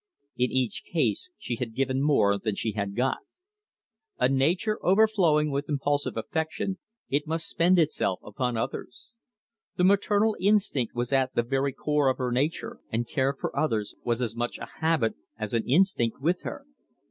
In each case she had given more than she had got. A nature overflowing with impulsive affection, it must spend itself upon others. The maternal instinct was at the very core of her nature, and care for others was as much a habit as an instinct with her.